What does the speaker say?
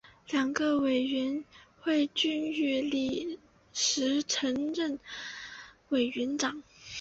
这两个委员会均由李石曾任委员长。